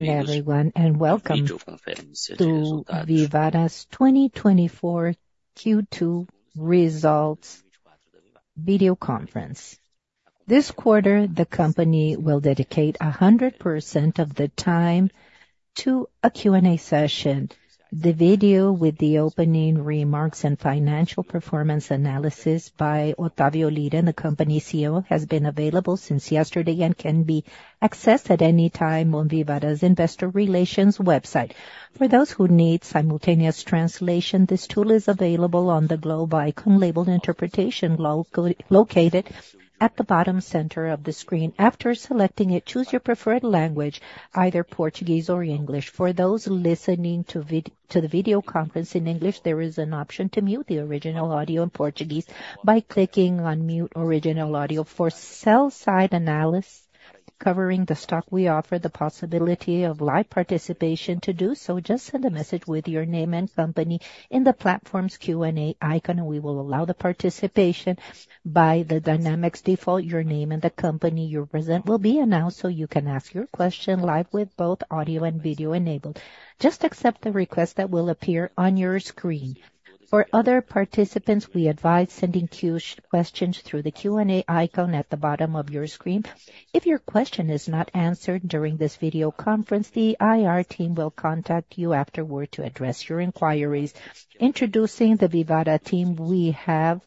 Everyone, and welcome to Vivara's 2024 Q2 Results Video Conference. This quarter, the company will dedicate 100% of the time to a Q&A session. The video with the opening remarks and financial performance analysis by Otávio Lyra, the company CEO, has been available since yesterday, and can be accessed at any time on Vivara's Investor Relations website. For those who need simultaneous translation, this tool is available on the globe icon labeled Interpretation, located at the bottom center of the screen. After selecting it, choose your preferred language, either Portuguese or English. For those listening to the video conference in English, there is an option to mute the original audio in Portuguese by clicking on Mute Original Audio. For sell-side analysts covering the stock, we offer the possibility of live participation. To do so, just send a message with your name and company in the platform's Q&A icon, and we will allow the participation. By the dynamics default, your name and the company you represent will be announced, so you can ask your question live with both audio and video enabled. Just accept the request that will appear on your screen. For other participants, we advise sending questions through the Q&A icon at the bottom of your screen. If your question is not answered during this video conference, the IR team will contact you afterward to address your inquiries. Introducing the Vivara team, we have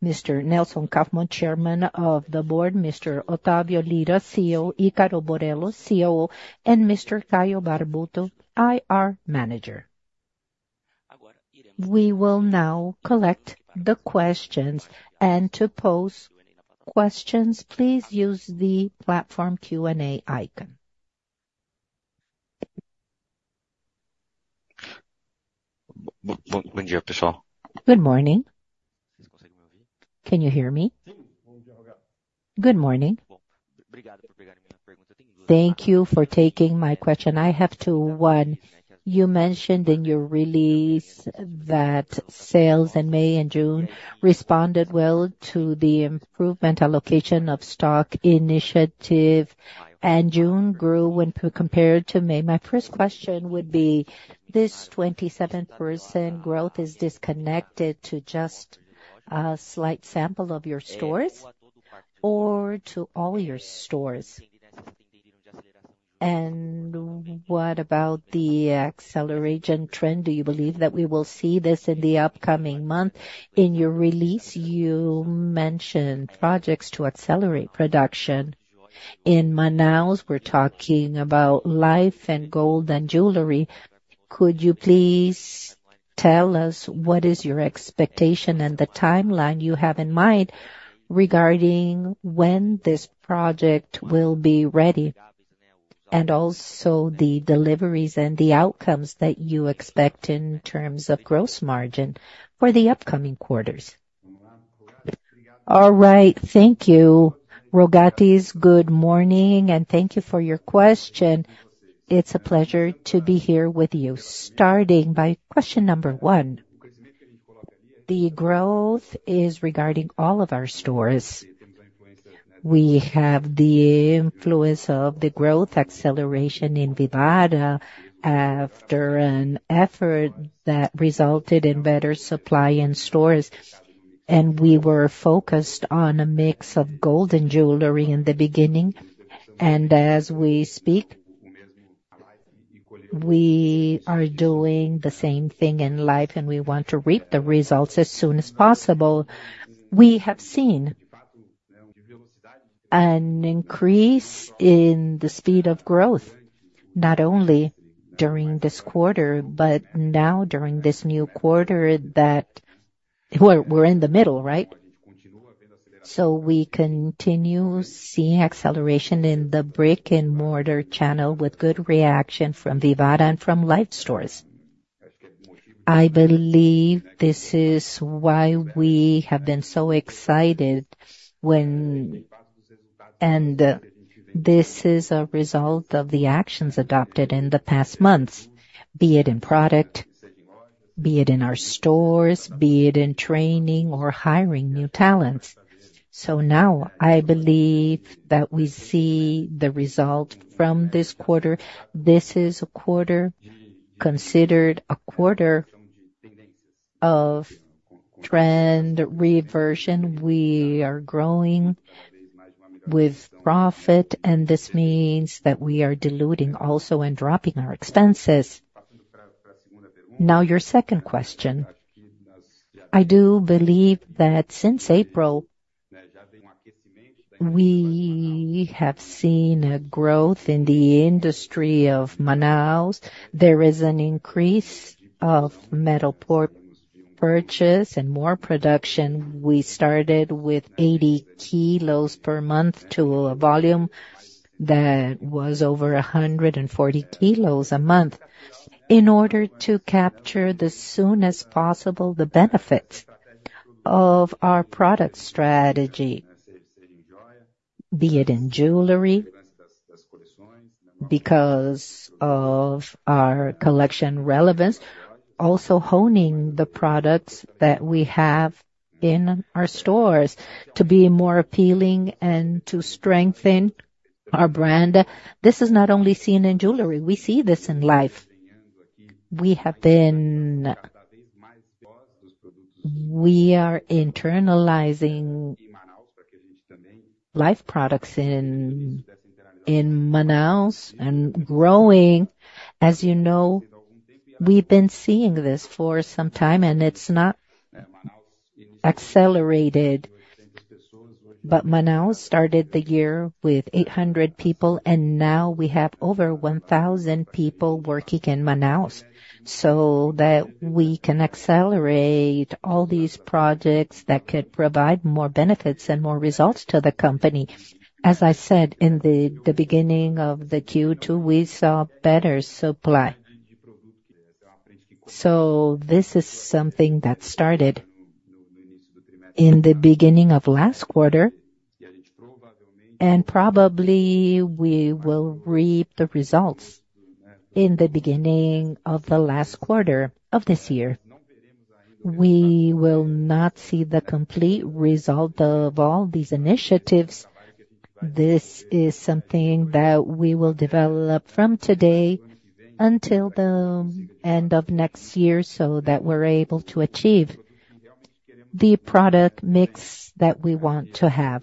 Mr. Nelson Kaufman, Chairman of the Board, Mr. Otávio Lyra, CEO, Ícaro Borrello, COO, and Mr. Caio Barbuto, IR Manager. We will now collect the questions, and to pose questions, please use the platform Q&A icon. Good morning. Can you hear me? Good morning. Thank you for taking my question. I have two. One, you mentioned in your release that sales in May and June responded well to the improvement allocation of stock initiative, and June grew when compared to May. My first question would be: This 27% growth, is this connected to just a slight sample of your stores or to all your stores? And what about the acceleration trend? Do you believe that we will see this in the upcoming month? In your release, you mentioned projects to accelerate production. In Manaus, we're talking about Life and gold and jewelry. Could you please tell us what is your expectation and the timeline you have in mind regarding when this project will be ready, and also the deliveries and the outcomes that you expect in terms of gross margin for the upcoming quarters? All right. Thank you. Rogatis, good morning, and thank you for your question. It's a pleasure to be here with you. Starting by question number one, the growth is regarding all of our stores. We have the influence of the growth acceleration in Vivara after an effort that resulted in better supply in stores, and we were focused on a mix of gold and jewelry in the beginning. And as we speak, we are doing the same thing in Life, and we want to reap the results as soon as possible. We have seen an increase in the speed of growth, not only during this quarter, but now during this new quarter that... We're, we're in the middle, right? So we continue seeing acceleration in the brick-and-mortar channel with good reaction from Vivara and from Life stores. I believe this is why we have been so excited, and this is a result of the actions adopted in the past months, be it in product, be it in our stores, be it in training or hiring new talents. So now, I believe that we see the result from this quarter. This is a quarter considered a quarter of trend reversion. We are growing with profit, and this means that we are diluting also and dropping our expenses. Now, your second question. I do believe that since April, we have seen a growth in the industry of Manaus. There is an increase of metal purchase and more production. We started with 80 kilos per month to a volume that was over 140 kg a month, in order to capture, as soon as possible, the benefit of our product strategy, be it in jewelry, because of our collection relevance, also honing the products that we have in our stores to be more appealing and to strengthen our brand. This is not only seen in jewelry, we see this in Life. We have been, we are internalizing Life products in Manaus and growing. As you know, we've been seeing this for some time, and it's not accelerated. But Manaus started the year with 800 people, and now we have over 1,000 people working in Manaus, so that we can accelerate all these projects that could provide more benefits and more results to the company. As I said, in the beginning of the Q2, we saw better supply. So this is something that started in the beginning of last quarter, and probably we will reap the results in the beginning of the last quarter of this year. We will not see the complete result of all these initiatives. This is something that we will develop from today until the end of next year, so that we're able to achieve the product mix that we want to have.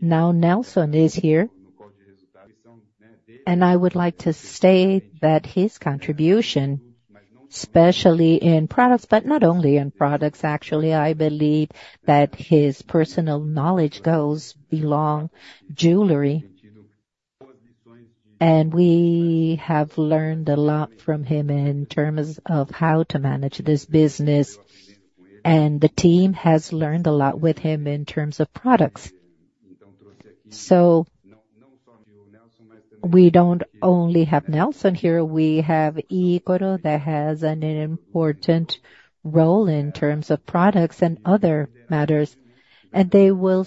Now, Nelson is here, and I would like to state that his contribution, especially in products, but not only in products, actually, I believe that his personal knowledge goes beyond jewelry. And we have learned a lot from him in terms of how to manage this business, and the team has learned a lot with him in terms of products. So we don't only have Nelson here, we have Ícaro, that has an important role in terms of products and other matters. And they will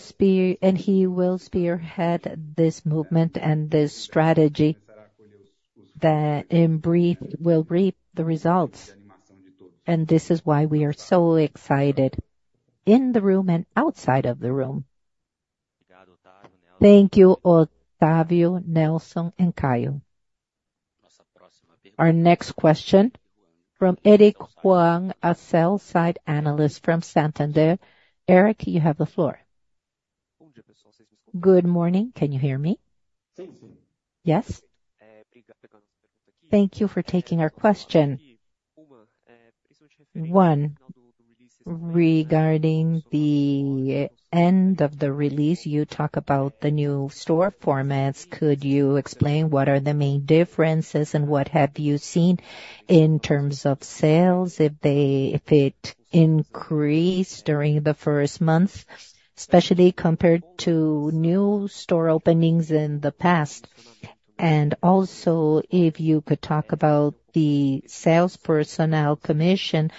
and he will spearhead this movement and this strategy that in brief, will reap the results. And this is why we are so excited in the room and outside of the room. Thank you, Otávio, Nelson and Caio. Our next question from Eric Huang, a sell-side analyst from Santander. Eric, you have the floor. Good morning. Can you hear me? Yes. Thank you for taking our question. One, regarding the end of the release, you talk about the new store formats. Could you explain what are the main differences, and what have you seen in terms of sales, if they, if it increased during the first month, especially compared to new store openings in the past? And also, if you could talk about the sales personnel commission,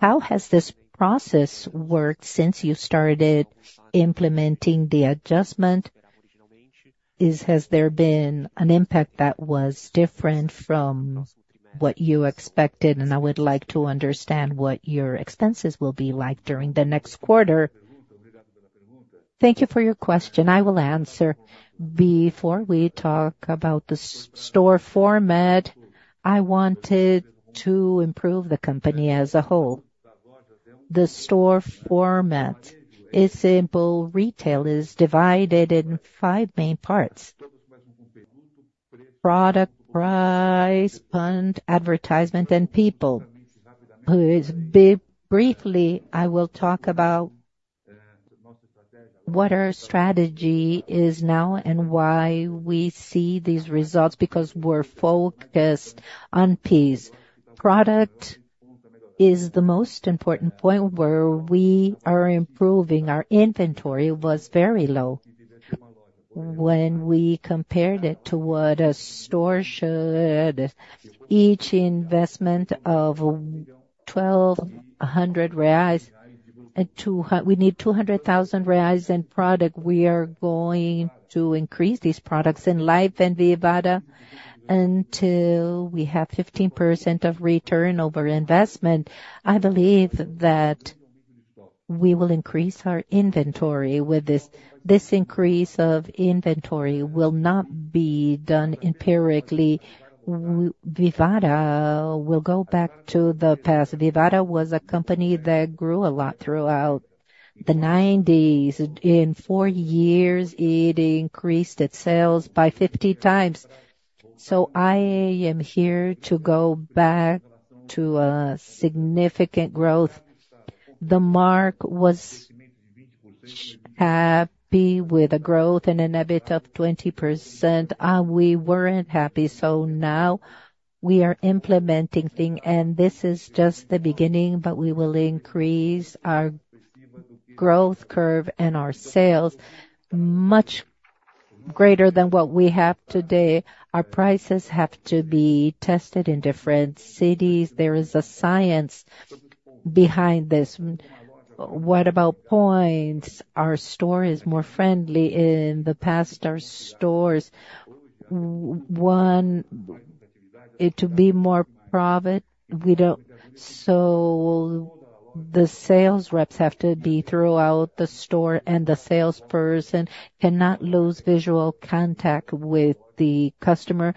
how has this process worked since you started implementing the adjustment? Has there been an impact that was different from what you expected? And I would like to understand what your expenses will be like during the next quarter. Thank you for your question. I will answer. Before we talk about the store format, I wanted to improve the company as a whole. The store format is simple. Retail is divided in five main parts: product, price, brand, advertisement and people. Briefly, I will talk about what our strategy is now and why we see these results, because we're focused on Ps. Product is the most important point where we are improving. Our inventory was very low when we compared it to what a store should. Each investment of 1,200 reais and we need 200,000 reais in product. We are going to increase these products in Life and Vivara until we have 15% of return over investment. I believe that we will increase our inventory with this. This increase of inventory will not be done empirically. Vivara will go back to the past. Vivara was a company that grew a lot throughout the 1990s. In four years, it increased its sales by 50x. So I am here to go back to a significant growth. The market was happy with the growth and an EBIT of 20%. We weren't happy, so now we are implementing things, and this is just the beginning, but we will increase our growth curve and our sales much greater than what we have today. Our prices have to be tested in different cities. There is a science behind this. What about points? Our store is more friendly. In the past, our stores wanted to be more profit, we don't. So the sales reps have to be throughout the store, and the salesperson cannot lose visual contact with the customer.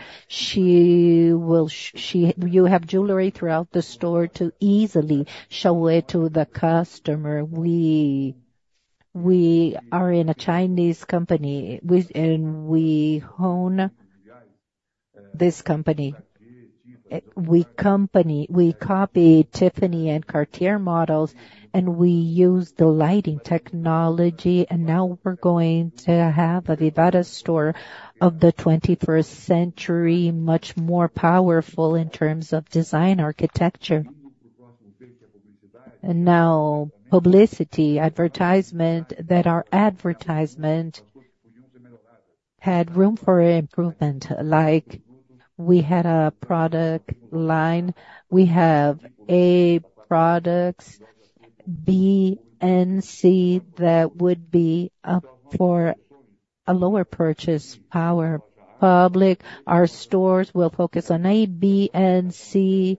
You have jewelry throughout the store to easily show it to the customer. We are in a Chinese company, and we own this company. We copy Tiffany and Cartier models, and we use the lighting technology, and now we're going to have a Vivara store of the 21st century, much more powerful in terms of design architecture. And now, publicity, advertisement, that our advertisement had room for improvement, like, we had a product line. We have A products, B and C that would be up for a lower purchase power. Public, our stores will focus on A, B and C.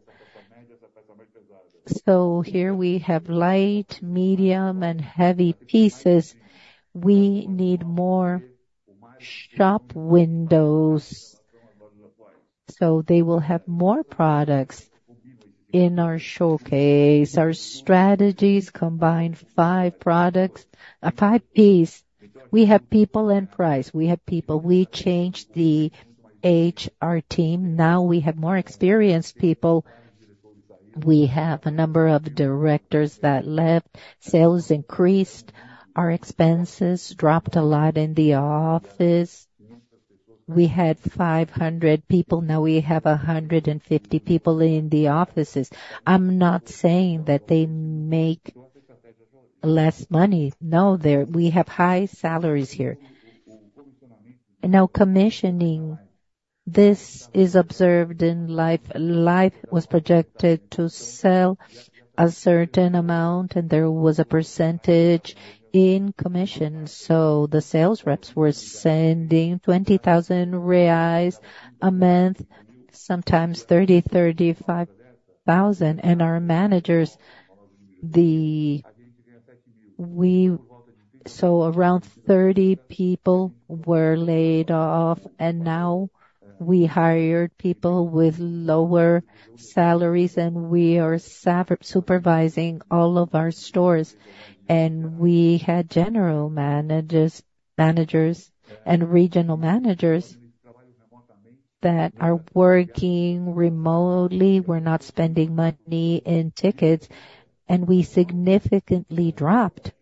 So here we have light, medium, and heavy pieces. We need more shop windows, so they will have more products in our showcase. Our strategies combine five products, 5 Ps. We have people and price. We have people. We changed the HR team, now we have more experienced people. We have a number of directors that left. Sales increased, our expenses dropped a lot in the office. We had 500 people, now we have 150 people in the offices. I'm not saying that they make less money. No, they're, we have high salaries here. And now commissioning, this is observed in life. Life was projected to sell a certain amount, and there was a percentage in commission, so the sales reps were sending 20,000 reais a month, sometimes 30,000, 35,000. And our managers, so around 30 people were laid off, and now we hired people with lower salaries, and we are supervising all of our stores. And we had general managers, managers and regional managers that are working remotely. We're not spending money in tickets, and we significantly dropped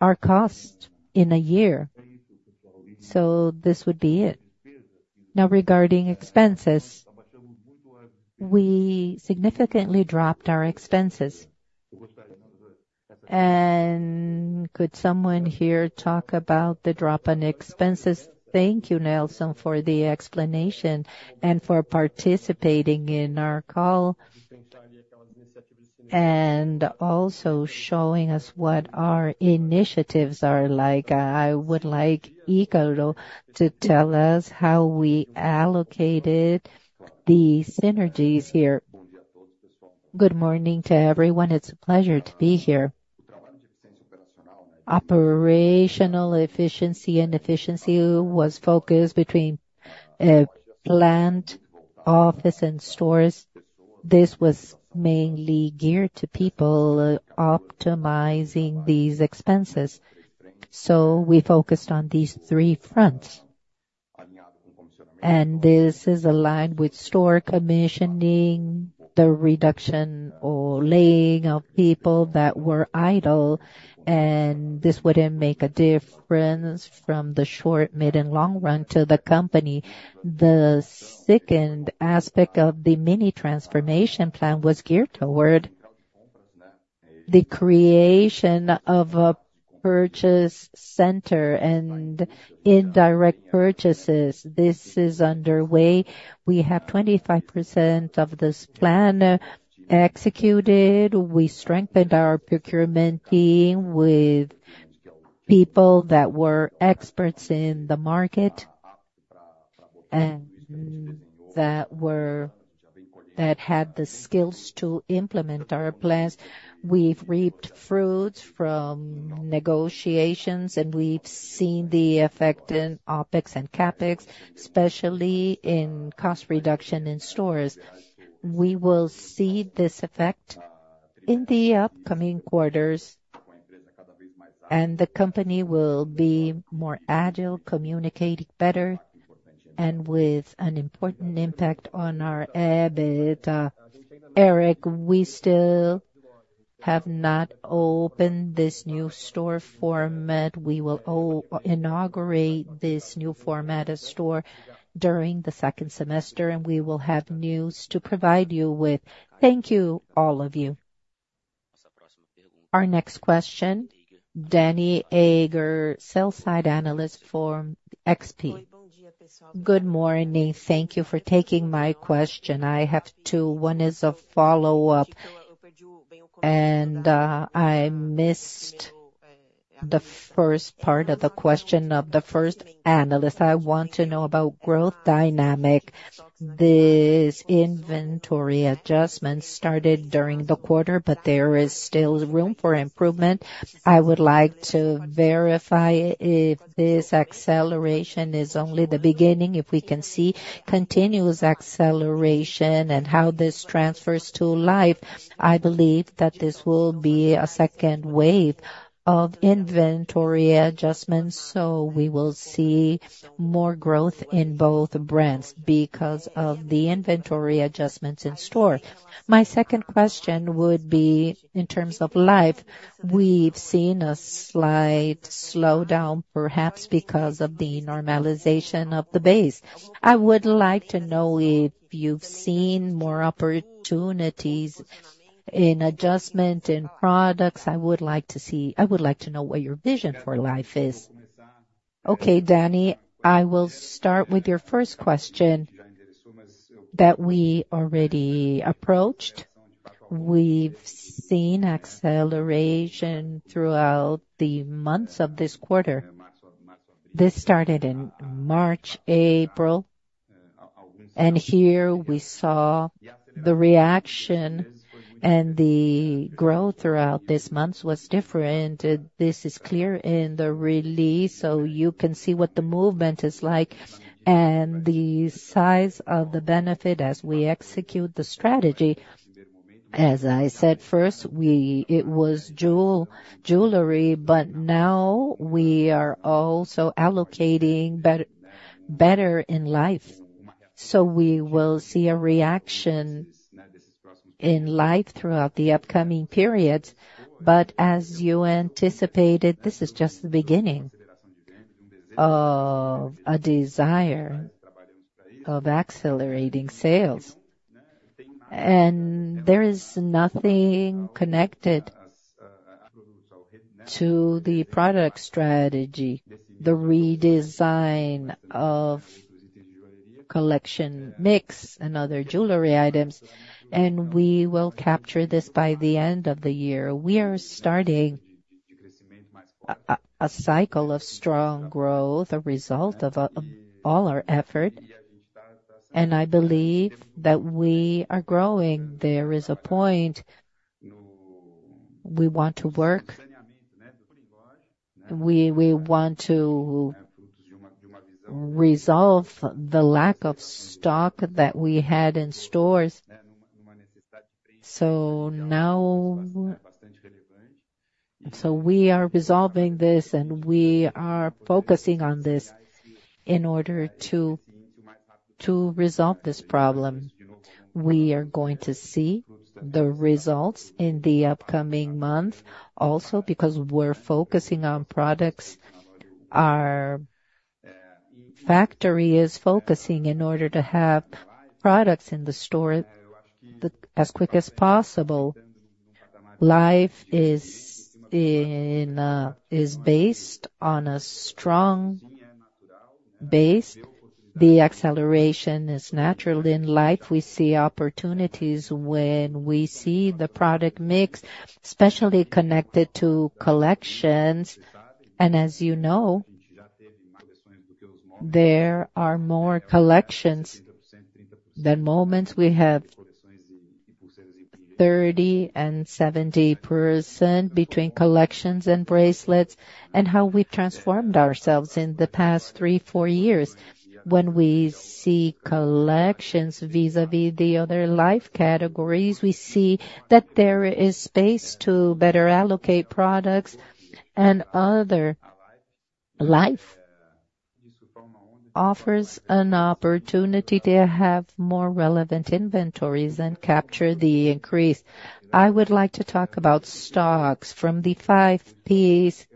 our cost in a year. So this would be it. Now, regarding expenses, we significantly dropped our expenses. And could someone here talk about the drop on expenses? Thank you, Nelson, for the explanation and for participating in our call, and also showing us what our initiatives are like. I would like Ícaro to tell us how we allocated the synergies here. Good morning to everyone. It's a pleasure to be here. Operational efficiency and efficiency was focused between plant, office, and stores. This was mainly geared to people optimizing these expenses. So we focused on these three fronts. And this is aligned with store commissioning, the reduction or laying of people that were idle, and this wouldn't make a difference from the short, mid, and long run to the company. The second aspect of the mini transformation plan was geared toward the creation of a purchase center and indirect purchases. This is underway. We have 25% of this plan executed. We strengthened our procurement team with people that were experts in the market, and that were-- that had the skills to implement our plans. We've reaped fruits from negotiations, and we've seen the effect in OpEx and CapEx, especially in cost reduction in stores. We will see this effect in the upcoming quarters, and the company will be more agile, communicating better, and with an important impact on our EBIT. Eric, we still have not opened this new store format. We will inaugurate this new format of store during the second semester, and we will have news to provide you with. Thank you, all of you.... Our next question, Danniela Eiger, sell-side analyst for XP Investimentos. Good morning. Thank you for taking my question. I have two. One is a follow-up, and I missed the first part of the question of the first analyst. I want to know about growth dynamic. This inventory adjustment started during the quarter, but there is still room for improvement. I would like to verify if this acceleration is only the beginning, if we can see continuous acceleration and how this transfers to Life. I believe that this will be a second wave of inventory adjustments, so we will see more growth in both brands because of the inventory adjustments in store. My second question would be, in terms of Life, we've seen a slight slowdown, perhaps because of the normalization of the base. I would like to know if you've seen more opportunities in adjustment, in products. I would like to see, I would like to know what your vision for Life is. Okay, Danny, I will start with your first question, that we already approached. We've seen acceleration throughout the months of this quarter. This started in March, April, and here we saw the reaction and the growth throughout this month was different. This is clear in the release, so you can see what the movement is like and the size of the benefit as we execute the strategy. As I said, first, it was jewelry, but now we are also allocating better in Life. So we will see a reaction in Life throughout the upcoming periods. But as you anticipated, this is just the beginning of a desire of accelerating sales. And there is nothing connected to the product strategy, the redesign of collection, mix, and other jewelry items, and we will capture this by the end of the year. We are starting a cycle of strong growth, a result of all our effort, and I believe that we are growing. There is a point we want to work, we want to resolve the lack of stock that we had in stores. So now, so we are resolving this, and we are focusing on this in order to resolve this problem. We are going to see the results in the upcoming month. Also, because we're focusing on products, our factory is focusing in order to have products in the store as quick as possible. Life is in, is based on a strong base. The acceleration is natural. In Life, we see opportunities when we see the product mix, especially connected to collections. And as you know, there are more collections than moments. We have 30% and 70% between collections and bracelets, and how we transformed ourselves in the past three, four years. When we see collections vis-à-vis the other Life categories, we see that there is space to better allocate products, and other Life offers an opportunity to have more relevant inventories and capture the increase. I would like to talk about stocks. From the 5 Ps,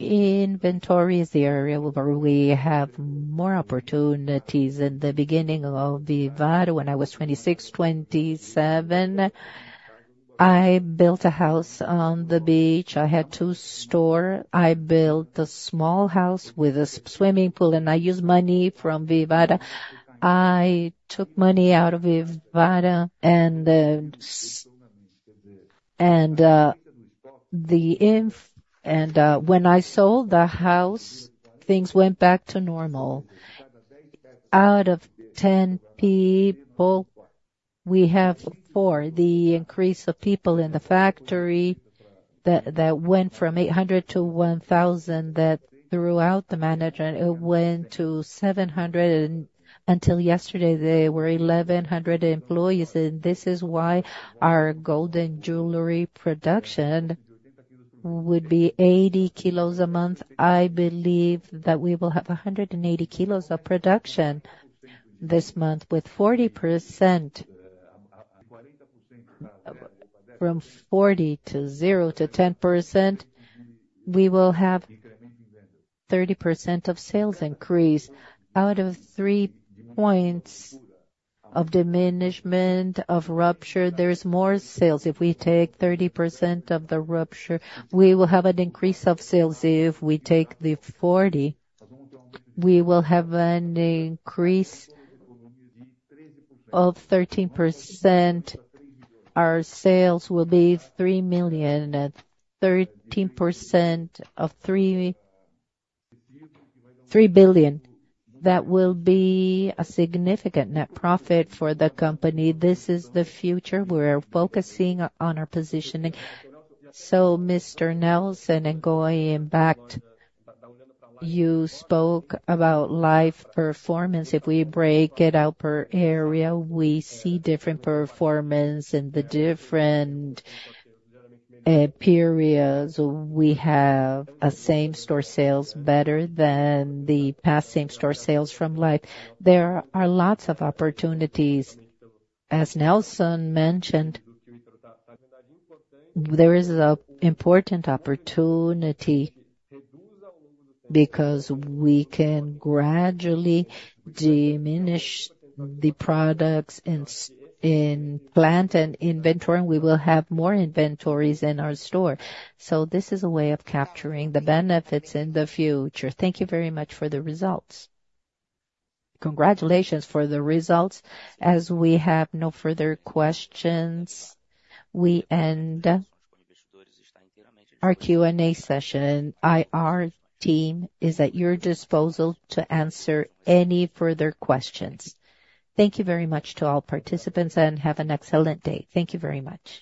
inventory is the area where we have more opportunities. At the beginning of Vivara, when I was 26, 27, I built a house on the beach. I had two stores. I built a small house with a swimming pool, and I used money from Vivara. I took money out of Vivara, and when I sold the house, things went back to normal. Out of 10 people, we have four. The increase of people in the factory that went from 800 to 1,000, that throughout the management, it went to 700, and until yesterday, there were 1,100 employees, and this is why our golden jewelry production would be 80 kilos a month. I believe that we will have 180 kilos of production this month, with 40%. From 40% to 0% to 10%, we will have 30% of sales increase. Out of 3 points of diminishment, of rupture, there's more sales. If we take 30% of the rupture, we will have an increase of sales. If we take the 40%, we will have an increase of 13%. Our sales will be 3 million, and 13% of 3, 3 billion. That will be a significant net profit for the company. This is the future. We're focusing on our positioning. So Mr. Nelson and going back, you spoke about Life performance. If we break it out per area, we see different performance in the different periods. We have same-store sales better than the past same-store sales from Life. There are lots of opportunities. As Nelson mentioned, there is an important opportunity because we can gradually diminish the products in plant and inventory, and we will have more inventories in our store. This is a way of capturing the benefits in the future. Thank you very much for the results. Congratulations for the results. As we have no further questions, we end our Q&A session. Our team is at your disposal to answer any further questions. Thank you very much to all participants, and have an excellent day. Thank you very much.